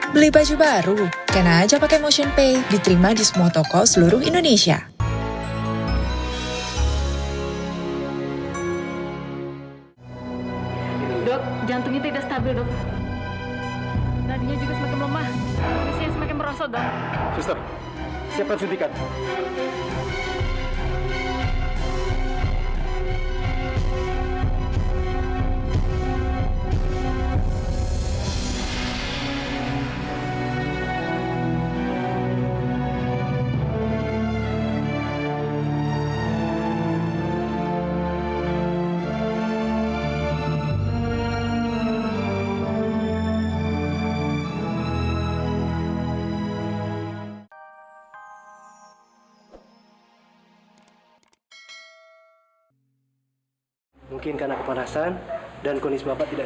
beli baju baru kena aja pake motion pay diterima di semua toko seluruh indonesia